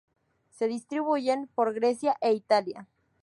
Se distribuyen por Grecia e Italia.